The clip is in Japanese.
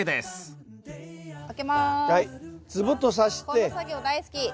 この作業大好き。